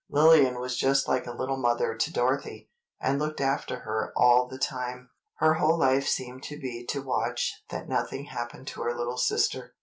Lillian was just like a little mother to Dorothy, and looked after her all the time. Her whole life seemed to be to watch that nothing happened to her little sister.